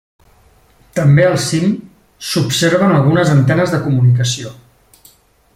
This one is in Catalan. També al cim s'observen algunes antenes de comunicació.